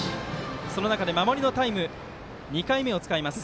その中で守りのタイム２回目を使います。